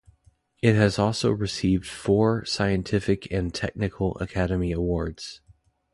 It has also received four Scientific and Technical Academy Awards.